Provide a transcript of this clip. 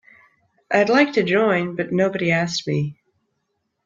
I'd like to join but nobody asked me.